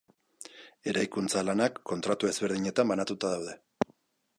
Eraikuntza lanak kontratu ezberdinetan banatuta daude.